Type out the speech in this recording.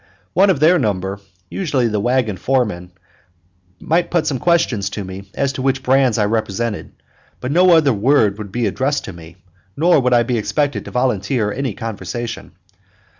One of their number, usually the wagon foreman, might put some question to me as to what brands I represented, but no other word would be addressed to me, nor would I be expected to volunteer any conversation.